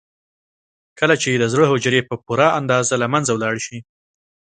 کله چې د زړه حجرې په پوره اندازه له منځه لاړې شي.